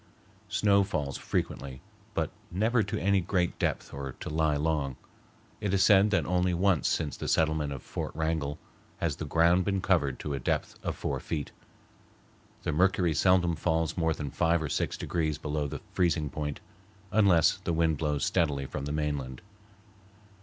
Snow falls frequently, but never to any great depth or to lie long. It is said that only once since the settlement of Fort Wrangell has the ground been covered to a depth of four feet. The mercury seldom falls more than five or six degrees below the freezing point, unless the wind blows steadily from the mainland.